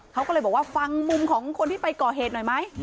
เขาก็เลยบอกว่าฟังมุมของคนที่ไปก่อเหตุหน่อยไหม